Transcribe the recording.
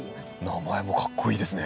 名前もかっこいいですね。